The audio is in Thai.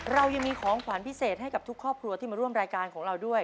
เรายังมีของขวัญพิเศษให้กับทุกครอบครัวที่มาร่วมรายการของเราด้วย